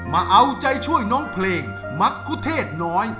มาเอาใจช่วยน้องเพลงมักคุเทศน้อย